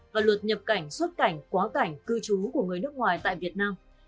và luật nhập cảnh xuất cảnh quá cảnh cư trú của người nước ngoài tại việt nam